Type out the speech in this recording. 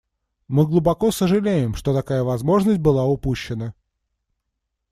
Мы глубоко сожалеем, что такая возможность была упущена.